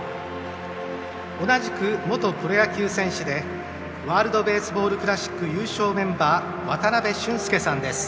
同じく元プロ野球選手でワールド・ベースボール・クラシック優勝メンバー渡辺俊介さんです。